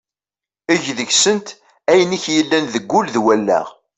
Eg deg-sent ayen i k-yellan deg wul d wallaɣ.